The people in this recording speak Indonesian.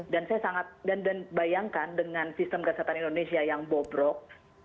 dan saya sangat dan bayangkan dengan sistem kesehatan indonesia yang bobrok